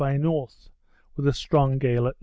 by N., with a strong gale at N.